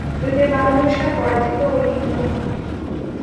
যুদ্ধে বাহাদুর শাহ পরাজিত ও নিহত হন।